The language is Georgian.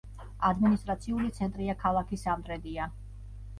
ადმინისტრაციული ცენტრია ქალაქი სამტრედია.